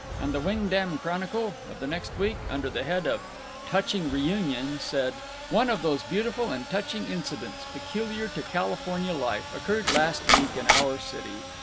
And the WINGDAM CHRONICLE, of the next week, under the head of "Touching Reunion," said: "One of those beautiful and touching incidents, peculiar to California life, occurred last week in our city.